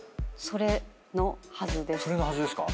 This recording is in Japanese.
それのはずですか？